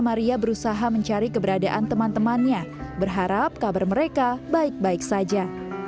maria berusaha mencari keberadaan teman temannya berharap kabar mereka baik baik saja